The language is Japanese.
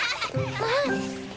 あっ。